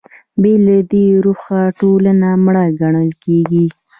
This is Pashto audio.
بې له دې روحه ټولنه مړه ګڼل کېږي.